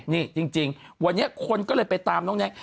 นี่จริงวันนี้คนก็เลยไปตามน้องแน็ก